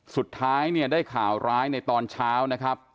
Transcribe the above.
สุดท้ายเนี่ยได้ข่าวร้ายในตอนเช้านะครับ